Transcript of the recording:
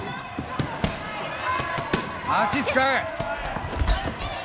足使え！